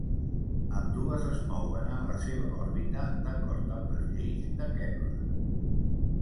Ambdues es mouen en la seva òrbita d'acord amb les Lleis de Kepler.